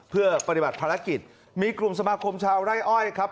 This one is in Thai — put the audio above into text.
เพื่อปฏิบัติภารกิจมีกลุ่มสมาคมชาวไร่อ้อยครับ